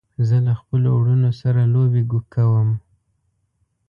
زه له خپلو وروڼو سره لوبې کوم.